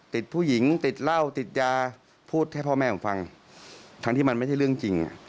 ทั้งที่มันไม่ใช่เรื่องจริง